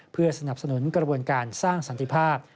เพื่อสนับสนุนกระบวนการสร้างสันติภาพ